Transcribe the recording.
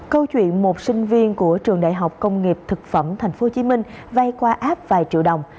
câu chuyện một sinh viên của trường đại học công nghiệp thực phẩm tp hcm vay qua app vài triệu đồng